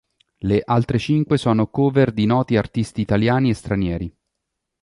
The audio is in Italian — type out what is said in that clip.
Le altre cinque sono "cover" di noti artisti italiani e stranieri.